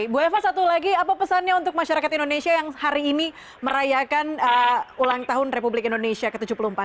bu eva satu lagi apa pesannya untuk masyarakat indonesia yang hari ini merayakan ulang tahun republik indonesia ke tujuh puluh empat